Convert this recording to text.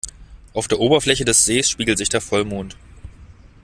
Auf der Oberfläche des Sees spiegelt sich der Vollmond.